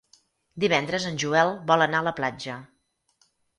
Divendres en Joel vol anar a la platja.